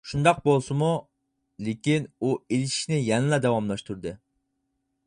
شۇنداق بولسىمۇ لېكىن ئۇ ئېلىشىشنى يەنىلا داۋاملاشتۇردى.